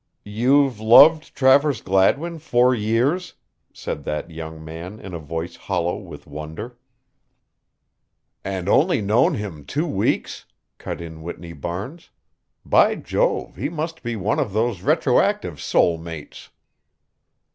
"You've loved Travers Gladwin four years," said that young man in a voice hollow with wonder. "And only known him two weeks," cut in Whitney Barnes. "By Jove, he must be one of those retroactive soul mates."